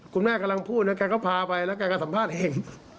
คุณแม่กำลังพูดนะแกเขาพาไปแล้วแกสัมภาษณ์เอง